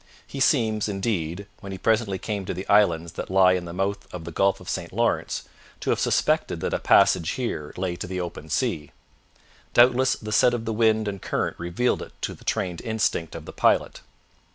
He seems, indeed, when he presently came to the islands that lie in the mouth of the Gulf of St Lawrence, to have suspected that a passage here lay to the open sea. Doubtless the set of the wind and current revealed it to the trained instinct of the pilot.